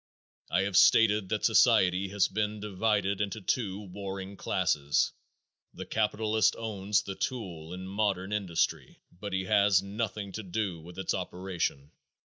I have stated that society has been divided into two warring classes. The capitalist owns the tool in modern industry, but he has nothing to do with its operation.